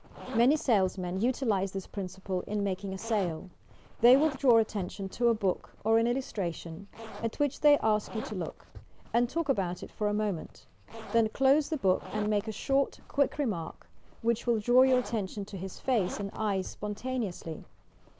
Many salesmen utilize this principle in making a sale. They will draw atten tion to a book or an illustration, at which they ask you to look, and talk about it for a moment ; then close the book and make a short, quick remark, which will draw your attention to his face and eyes spontaneously.